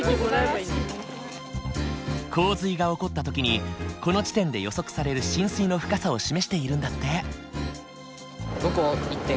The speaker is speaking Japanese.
洪水が起こった時にこの地点で予測される浸水の深さを示しているんだって。